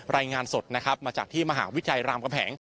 รายงานสดนะครับมาจากที่มหาวิทยาลัยรามกำแหง